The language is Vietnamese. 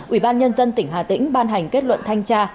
ủy ban nhân dân tỉnh hà tĩnh ban hành kết luận thanh tra